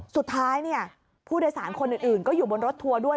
สุดท้ายผู้โดยสารคนอื่นก็อยู่บนรถทัวร์ด้วย